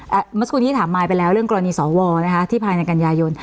เมื่อสักครู่นี้ถามมายไปแล้วเรื่องกรณีสวนะคะที่ภายในกันยายน